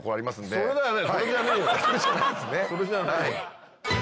それじゃない。